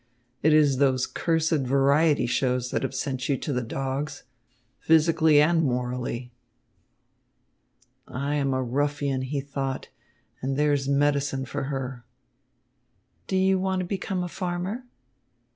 It is those cursed variety shows that have sent you to the dogs, physically and morally." "I am a ruffian," he thought, "and there's medicine for her." "Do you want to become a farmer?"